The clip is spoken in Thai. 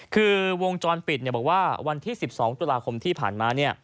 คือวงจรปิดบอกว่าวันที่๑๒ตุลาคมที่ผ่านมา